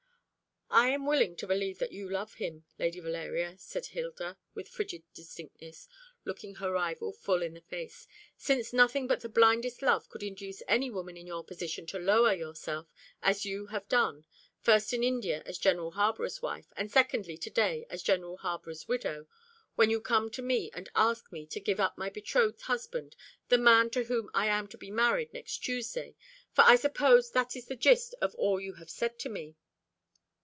"I am willing to believe that you love him, Lady Valeria," said Hilda, with frigid distinctness, looking her rival full in the face, "since nothing but the blindest love could induce any woman in your position to lower yourself as you have done first in India as General Harborough's wife, and secondly to day as General Harborough's widow when you come to me and ask me to give up my betrothed husband, the man to whom I am to be married next Tuesday; for I suppose that is the gist of all you have said to me."